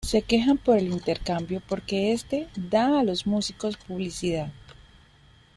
se quejan por el intercambio porque éste da a los músicos publicidad